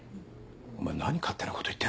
お前何勝手なこと言ってんだよ。